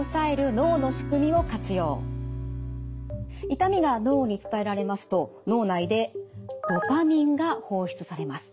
痛みが脳に伝えられますと脳内でドパミンが放出されます。